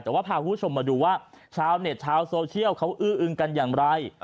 แต่ว่าพาคุณผู้ชมมาดูว่าชาวเน็ตชาวโซเชียลเขาอื้ออึงกันอย่างไร